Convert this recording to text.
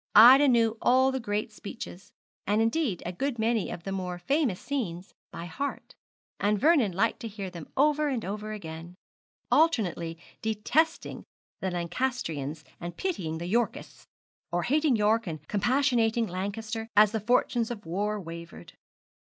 Ida knew all the great speeches, and indeed a good many of the more famous scenes, by heart, and Vernon liked to hear them over and over again, alternately detesting the Lancastrians and pitying the Yorkists, or hating York and compassionating Lancaster, as the fortunes of war wavered.